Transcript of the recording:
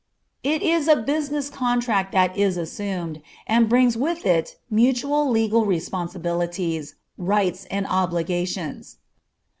It is a business contract that is assumed, and brings with it mutual legal responsibilities, rights, and obligations.